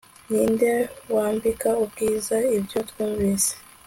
Ninde wambika ubwiza ibyo twumvise